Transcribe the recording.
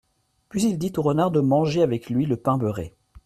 Puis il dit au renard de manger avec lui le pain beurré.